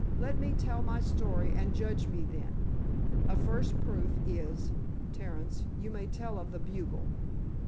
Let me tell my story and judge me then. A first proof is—Terence, you may tell of the bugle."